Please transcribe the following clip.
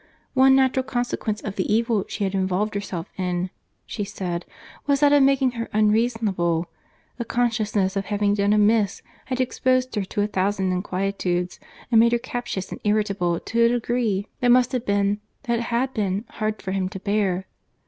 One natural consequence of the evil she had involved herself in," she said, "was that of making her unreasonable. The consciousness of having done amiss, had exposed her to a thousand inquietudes, and made her captious and irritable to a degree that must have been—that had been—hard for him to bear.